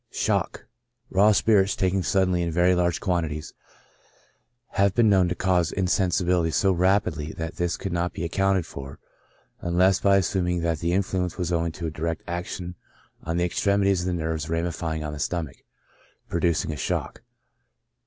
Shock, — Raw spirits taken suddenly in very large quanti ties, have been known to cause insensibility so rapidly, that this could not be accounted for unless by assuming that the influence was owing to a direct action on the extremities of the nerves ramifying on the stomach, producing a shock.